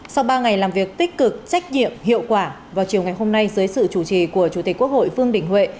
sau ba ngày làm việc tích cực trách nhiệm hiệu quả vào chiều ngày hôm nay dưới sự chủ trì của chủ tịch quốc hội vương đình huệ